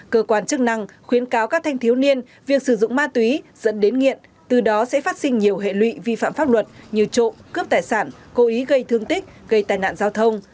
cơ quan chức năng khuyến cáo các thanh thiếu niên việc sử dụng ma túy dẫn đến nghiện từ đó sẽ phát sinh nhiều hệ lụy vi phạm pháp luật như trộm cướp tài sản cố ý gây thương tích gây tai nạn giao thông